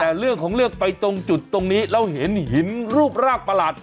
แต่เรื่องของเรื่องไปตรงจุดตรงนี้แล้วเห็นหินรูปร่างประหลาด